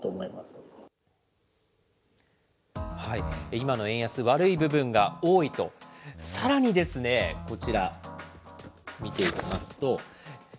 今の円安、悪い部分が多いと、さらにこちら、見ていきますと。